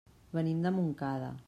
Venim de Montcada.